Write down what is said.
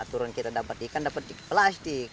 turun kita dapat ikan dapat plastik